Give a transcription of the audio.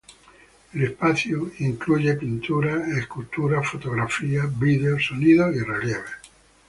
El espacio incluye pinturas, esculturas, fotografías, vídeos, sonidos y relieves.